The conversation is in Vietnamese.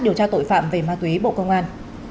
điều tra tội phạm về ma túy bộ công an